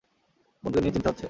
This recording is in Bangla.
বোনকে নিয়ে চিন্তা হচ্ছে?